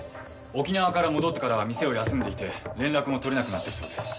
沖縄から戻ってからは店を休んでいて連絡も取れなくなってるそうです。